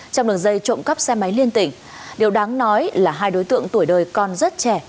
trong đường dây trộm cắp xe máy liên tỉnh điều đáng nói là hai đối tượng tuổi đời còn rất trẻ